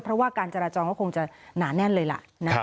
เพราะว่าการจราจรก็คงจะหนาแน่นเลยล่ะ